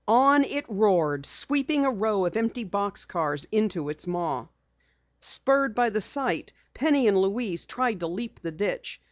It roared on, sweeping a row of empty box cars into its maw. Spurred by the sight, Penny and Louise tried to leap the ditch.